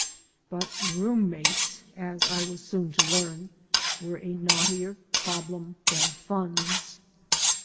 But room mates, as I was soon to learn, were a knottier problem than funds.